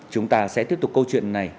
chúng ta sẽ tiếp tục câu chuyện này